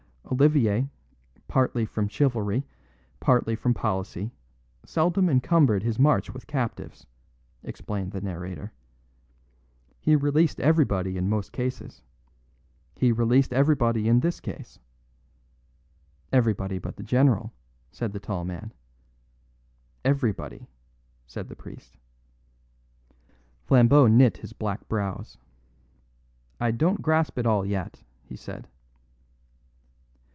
"Olivier, partly from chivalry, partly from policy, seldom encumbered his march with captives," explained the narrator. "He released everybody in most cases. He released everybody in this case." "Everybody but the general," said the tall man. "Everybody," said the priest. Flambeau knit his black brows. "I don't grasp it all yet," he said.